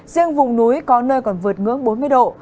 riêng vùng núi có nơi còn vượt ngưỡng bốn mươi độ